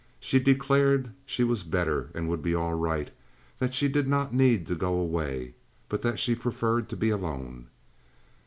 She declared she was better and would be all right—that she did not need to go away, but that she preferred to be alone.